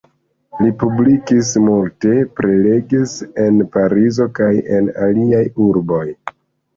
Li publikis multe, prelegis en Parizo kaj en aliaj urboj.